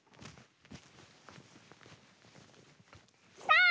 「さあ！」